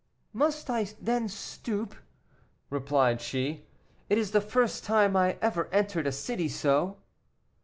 "Must I then stoop?" replied she; "it is the first time I ever entered a city so."